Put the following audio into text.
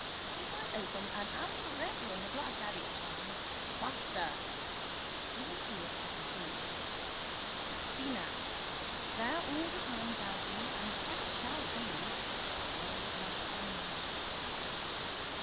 If I open and am for ever in the black adiaphane. Basta! I will see if I can see. See now. There all the time without you: and ever shall be, world without end.